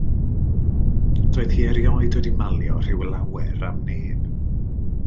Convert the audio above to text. Doedd hi erioed wedi malio rhyw lawer am neb.